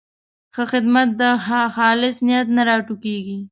ښه خدمت د خالص نیت نه راټوکېږي.